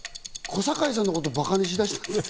小堺さんのことバカにしだして。